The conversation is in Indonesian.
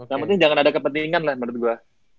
yang penting jangan ada kepentingan lah menurut gue